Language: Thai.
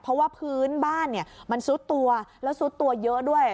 เพราะว่าพื้นบ้านมันซุดตัวแล้วซุดตัวเยอะด้วย